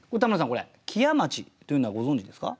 これ「木屋町」というのはご存じですか？